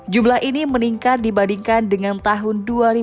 jumlah ini meningkat dibandingkan dengan tahun dua ribu dua puluh